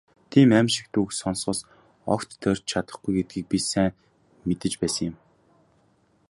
Тийм «аймшигт» үг сонсохоос огт тойрч чадахгүй гэдгийг би сайн мэдэж байсан юм.